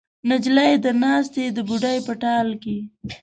نجلۍ ده ناسته د بوډۍ په ټال کې